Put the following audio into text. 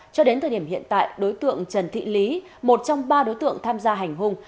cho đến thời điểm hiện tại đối tượng trần thị lý một trong ba đối tượng tham gia hành hung